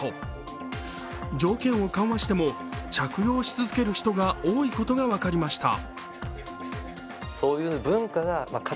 条件を緩和しても着用し続ける人が多いことが分かりました。